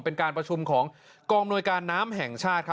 เป็นการประชุมของกองอำนวยการน้ำแห่งชาติ